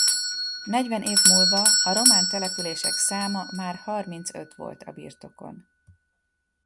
Negyven év múlva a román települések száma már harmincöt volt a birtokon.